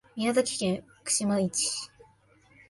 宮崎県串間市